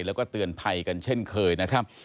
แล้วก็เตือนภัยกันเช่นเคยนะครับ